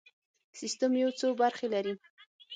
سیستم یو څو برخې لري.